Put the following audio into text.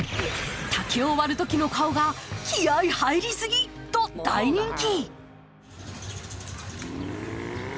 竹を割るときの顔が気合い入りすぎと大人気。